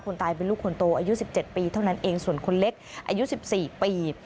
ตายเป็นลูกคนโตอายุ๑๗ปีเท่านั้นเองส่วนคนเล็กอายุ๑๔ปี